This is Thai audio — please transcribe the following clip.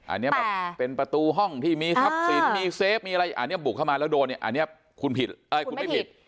อันนี้แบบเป็นประตูห้องที่มีทรัพย์สินมีเซฟมีอะไรอันนี้บุกเข้ามาแล้วโดนเนี่ยอันนี้คุณผิดคุณไม่ผิด